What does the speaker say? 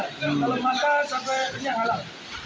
kalau makan sampai kenyang halal